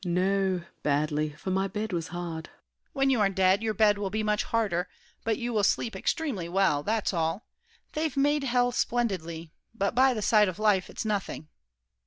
SAVERNY. No, badly, for my bed was hard. DIDIER. When you are dead, your bed will be much harder, But you will sleep extremely well—that's all. They've made hell splendidly; but by the side Of life, it's nothing.